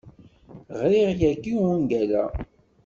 Ɣriɣ yagi ungal-a.